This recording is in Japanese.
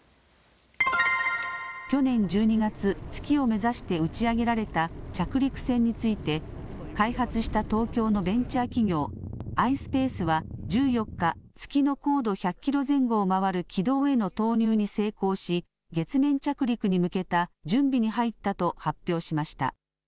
去年１２月月を目指して打ち上げられた着陸船について開発した東京のベンチャー企業ｉｓｐａｃｅは１４日、月の高度１００キロ前後を回る軌道への投入に成功し月面着陸に向けた準備に入ったと発表しました。